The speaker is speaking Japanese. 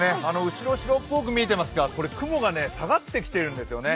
後ろ、白っぽく見えてますが雲が下がってきてるんですね。